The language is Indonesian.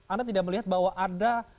anda tidak melihat bahwa ada